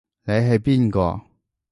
你係邊個？